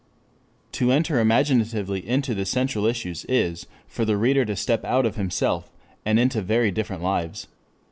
"] To enter imaginatively into the central issues is for the reader to step out of himself, and into very different lives.